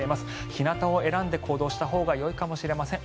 日なたを選んで行動したほうがよいかもしれません。